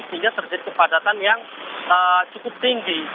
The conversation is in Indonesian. sehingga terjadi kepadatan yang cukup tinggi